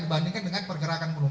dibandingkan dengan pergerakan pesawat